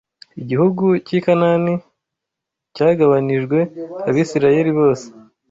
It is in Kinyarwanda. Igihugu cy’i Kanāni cyagabanijwe Abisirayeli bose